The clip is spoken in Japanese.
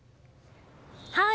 はい。